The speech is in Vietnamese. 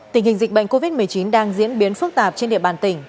tình hình dịch bệnh covid một mươi chín đang diễn biến phức tạp trên địa bàn tỉnh